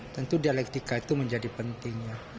tentu dialektika itu menjadi pentingnya